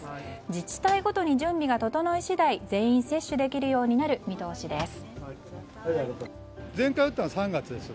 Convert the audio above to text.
自治体ごとに準備が整い次第全員接種できるようになる見通しです。